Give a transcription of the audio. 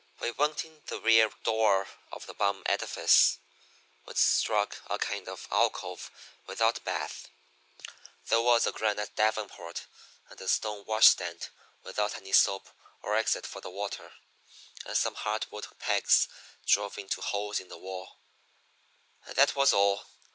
"We went in the rear door of the bum edifice. We struck a kind of alcove without bath. There was a granite davenport, and a stone wash stand without any soap or exit for the water, and some hardwood pegs drove into holes in the wall, and that was all.